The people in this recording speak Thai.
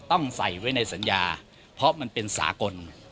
ต้องใส่ไว้ในสัญญาเพราะมันเป็นสากล